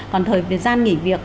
còn thời gian nghỉ việc